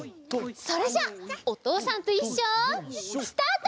それじゃあ「おとうさんといっしょ」スタート！